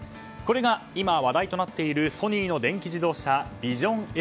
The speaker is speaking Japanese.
これが今話題となっているソニーの電気自動車ＶＩＳＩＯＮ‐Ｓ。